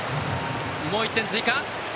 もう１点追加。